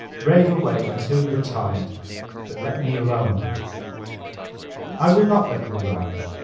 Rave away until you are tired, but let me akme.'' *1 will not let you alone.